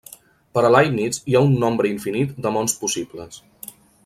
Per a Leibniz hi ha un nombre infinit de mons possibles.